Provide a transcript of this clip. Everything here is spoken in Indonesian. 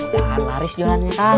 jangan laris jualannya kang